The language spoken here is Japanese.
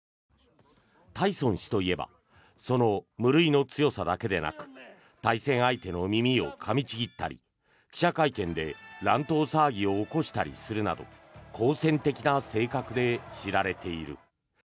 タイソン氏といえばその無類の強さだけでなく対戦相手の耳をかみちぎったり記者会見で乱闘騒ぎを起こしたりするなど好戦的な性格で知られている。